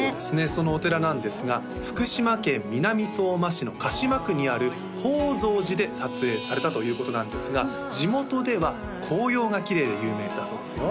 そのお寺なんですが福島県南相馬市の鹿島区にある寳蔵寺で撮影されたということなんですが地元では紅葉がきれいで有名だそうですよ